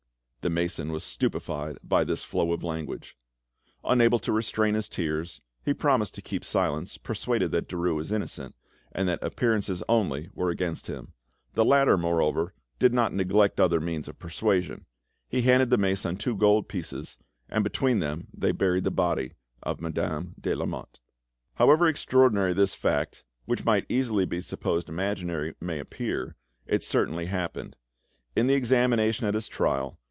The mason was stupefied by this flow of language. Unable to restrain his tears, he promised to keep silence, persuaded that Derues was innocent, and that appearances only were against him. The latter, moreover, did not neglect other means of persuasion; he handed the mason two gold pieces, and between them they buried the body of Madame de Lamotte. However extraordinary this fact, which might easily be supposed imaginary, may appear, it certainly happened. In the examination at his trial.